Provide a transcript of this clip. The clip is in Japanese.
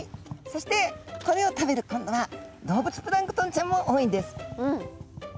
そしてこれを食べる今度は動物プランクトンちゃんも多いんです。